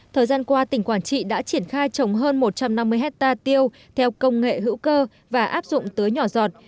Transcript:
thời gian qua tỉnh quảng trị đã triển khai trồng hơn một trăm năm mươi hectare tiêu theo công nghệ hữu cơ và áp dụng tưới nhỏ giọt